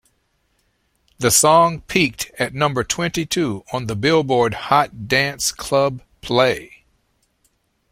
The song peaked at number twenty two on the "Billboard" Hot Dance Club Play.